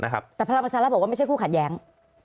แต่พระราชาละบอกว่าไม่ใช่คู่ขัดแย้ง